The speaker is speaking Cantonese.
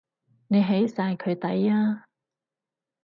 你起晒佢底呀？